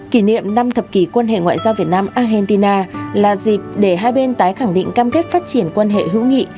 kỷ niệm năm thập kỷ quan hệ ngoại giao việt nam argentina là dịp để hai bên tái khẳng định cam kết phát triển quan hệ hữu nghị